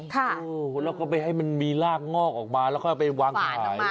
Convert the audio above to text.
แล้วก็ไปให้มันมีรากงอกออกมาแล้วค่อยไปวางขาย